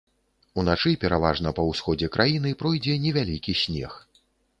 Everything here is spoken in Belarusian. Уначы пераважна па ўсходзе краіны пройдзе невялікі снег.